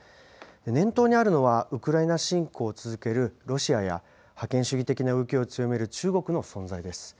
念頭にあるのは、ウクライナ侵攻を続けるロシアや、覇権主義的な動きを強める中国の存在です。